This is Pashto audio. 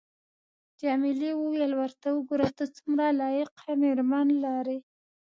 جميلې وويل:: ورته وګوره، ته څومره لایقه مېرمن لرې.